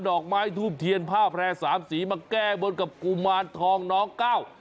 อกไม้ทูบเทียนผ้าแพร่สามสีมาแก้บนกับกุมารทองน้องก้าว